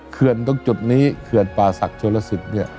เคลื่อนตรงจุดนี้เคลื่อนปาศักดิ์โชลสิต